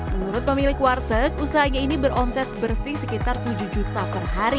menurut pemilik warteg usahanya ini beromset bersih sekitar tujuh juta per hari